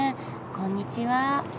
こんにちは。